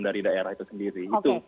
dari daerah itu sendiri